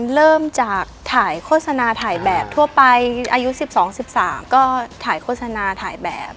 เริ่มจากถ่ายโฆษณาถ่ายแบบทั่วไปอายุ๑๒๑๓ก็ถ่ายโฆษณาถ่ายแบบ